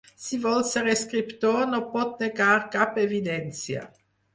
Si vol ser escriptor no pot negar cap evidència.